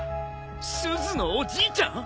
すずのおじいちゃん！？